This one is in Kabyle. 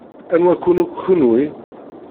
Anwa-ken akk kenwi?